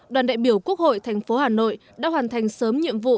đoàn đại biểu quốc hội tp hà nội đã hoàn thành sớm nhiệm vụ